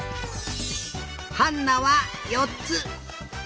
ハンナはよっつ！